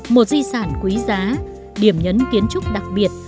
một di sản quý giá điểm nhấn kiến trúc đặc biệt